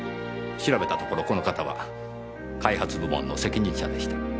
調べたところこの方は開発部門の責任者でした。